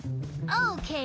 オッケー。